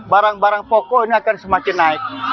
barang barang pokoknya akan semakin naik